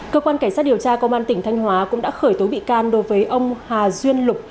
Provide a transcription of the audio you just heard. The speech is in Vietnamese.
cơ quan cảnh sát điều tra công an tỉnh thanh hóa cũng đã khởi tố bị can đối với ông hà duyên lục